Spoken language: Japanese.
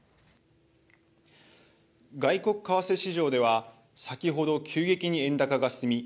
外国為替市場では先ほど急激に円高が進み